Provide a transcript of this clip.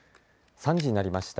３時になりました。